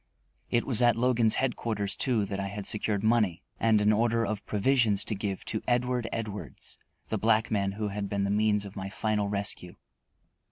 It was at Logan's headquarters, too, that I had secured money and an order for provisions to give to Edward Edwards, the black man who had been the means of my final rescue.